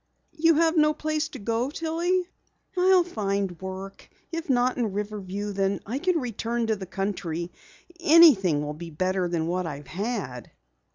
"You have no place to go, Tillie?" "I'll find work. If not in Riverview then I can return to the country. Anything will be better than what I've had."